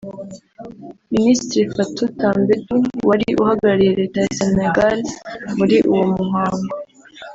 Minisitiri Fatou Tambedou wari uhagarariye Leta ya Senegal muri uwo muhango